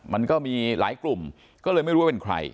มันก็มีหลายกลุ่มก็เลยไม่รู้ว่าเป็นใคร